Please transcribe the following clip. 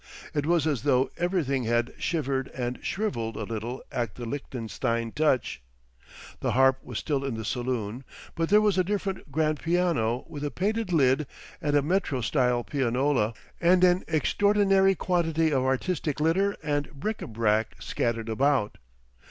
It was as though everything had shivered and shrivelled a little at the Lichtenstein touch. The harp was still in the saloon, but there was a different grand piano with a painted lid and a metrostyle pianola, and an extraordinary quantity of artistic litter and bric à brac scattered about.